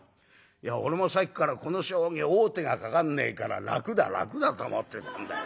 いや俺もさっきからこの将棋王手がかかんねえから楽だ楽だと思ってたんだよ」。